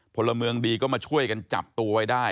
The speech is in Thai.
พลเมืองดีก็มาช่วยกันจับตัวไว้ได้